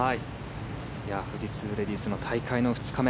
富士通レディースの大会の２日目。